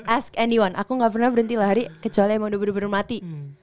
ask anyone aku gak pernah berhenti lari kecuali emang udah bener bener mati